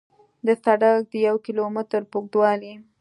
د سړک د یو کیلو متر په اوږدوالي